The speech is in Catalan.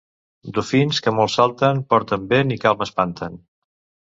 Dofins que molt salten, porten vent i calma espanten.